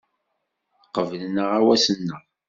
Qeblen aɣawas-nneɣ.